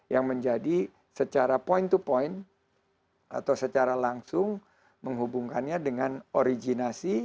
yang menjadi secara point to point atau secara langsung menghubungkannya dengan originasi